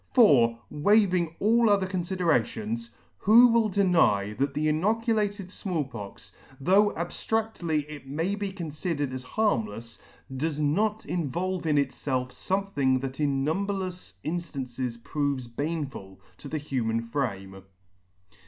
For, waving all other confiderations, who will deny that the inoculated Small Pox, though abftradedly it may be confidered as harmlefs, does 0^2 not [ 6 ] not involve in itfelf fomething that in numberlefs indances proves baneful to the human frame.